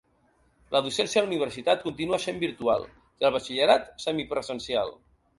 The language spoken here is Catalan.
La docència a la universitat continua essent virtual; i al batxillerat, semipresencial.